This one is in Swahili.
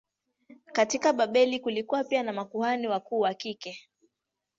Katika Babeli kulikuwa pia na makuhani wakuu wa kike.